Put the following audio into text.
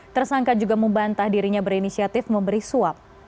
tersangka juga membantah dirinya berinisiatif memberi suap